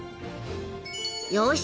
よし！